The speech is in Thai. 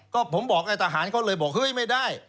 ก็ผมบอกไอ้ทหารเขาเลยบอกเฮ้ยไม่ได้